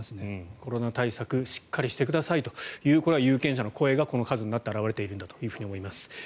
コロナ対策しっかりしてくださいという有権者の声がこの数になって表れているんだと思います。